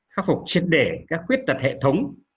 khắc phục chiến đề các khuyết tật hệ thống